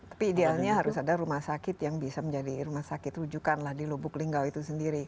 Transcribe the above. tapi idealnya harus ada rumah sakit yang bisa menjadi rumah sakit rujukan di lubuk linggau itu sendiri